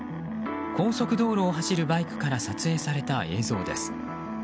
高速道路を走るバイクから撮影された映像です。